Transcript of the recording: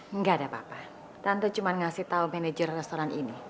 enggak ada apa apa rando cuma ngasih tahu manajer restoran ini